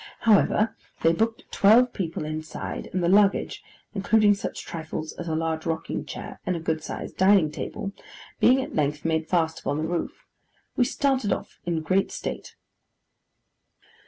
However, they booked twelve people inside; and the luggage (including such trifles as a large rocking chair, and a good sized dining table) being at length made fast upon the roof, we started off in great state.